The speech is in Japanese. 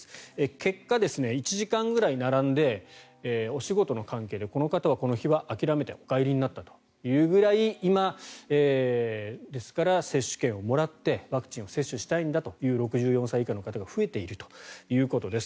結果、１時間ぐらい並んでお仕事の関係でこの方は、この日は諦めてお帰りになったというぐらいですから今、接種券をもらってワクチンを接種したいんだという６４歳以下の方が増えているということです。